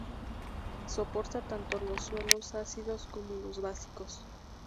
Soporta tanto los suelos ácidos como los básicos.